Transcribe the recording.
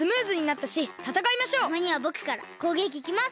たまにはぼくからこうげきいきます！